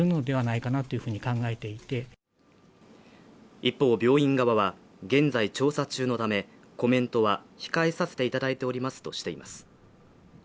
一方病院側は現在調査中のためコメントは控えさせていただいておりますとしています